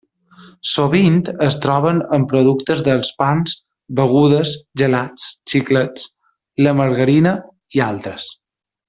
Sovint es troben en productes dels pans, begudes, gelats, xiclets, la margarina i altres.